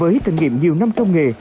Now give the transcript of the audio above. với kinh nghiệm nhiều năm công nghệ